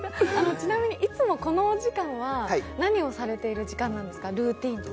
ちなみにいつもこのお時間は何をされている時間なんですか？